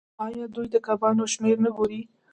آیا دوی د کبانو شمیر نه ګوري؟